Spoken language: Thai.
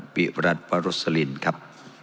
ปิ๊บรัฐวอรสลินครับ